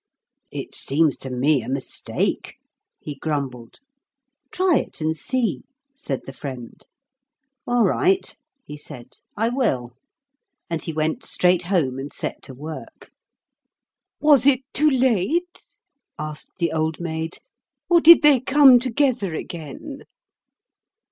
"'It seems to me a mistake,' he grumbled. "'Try it and see,' said the friend. "'All right,' he said, 'I will.' And he went straight home and set to work." "Was it too late," asked the Old Maid, "or did they come together again?"